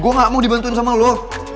gue gak mau dibantuin sama lo